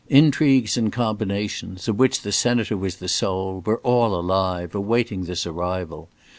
Intrigues and combinations, of which the Senator was the soul, were all alive, awaiting this arrival.